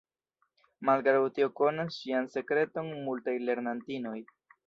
Malgraŭ tio konas ŝian sekreton multaj lernantinoj.